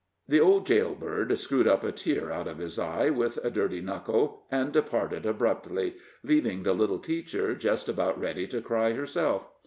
The old jail bird screwed a tear out of his eye with a dirty knuckle, and departed abruptly, leaving the little teacher just about ready to cry herself.